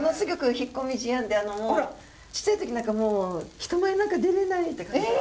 引っ込み思案でちっちゃい時なんかもう人前なんか出れないって感じだったんで。